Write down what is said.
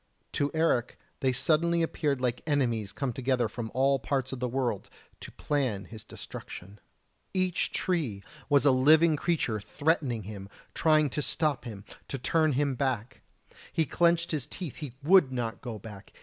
To Eric they suddenly appeared like enemies come together from all parts of the world to plan his destruction. Each tree was a living creature threatening him, trying to stop him, to turn him back! He clenched his teeth: he would not go back!